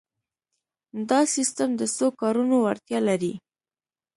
دا سیسټم د څو کارونو وړتیا لري.